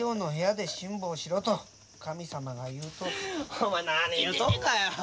お前何言うとんがよ。